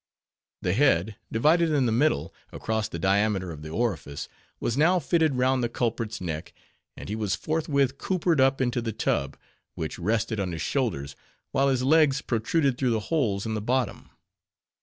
The head—divided in the middle, across the diameter of the orifice—was now fitted round the culprit's neck; and he was forthwith coopered up into the tub, which rested on his shoulders, while his legs protruded through the holes in the bottom.